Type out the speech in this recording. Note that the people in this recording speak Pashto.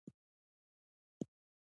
د ماشوم پر سپینو شونډو ځگونه راښکاره شول.